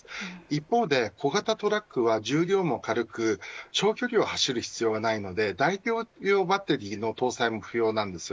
一方で、小型トラックは重量も軽く長距離を走る必要がないので大容量バッテリーの搭載も不要です。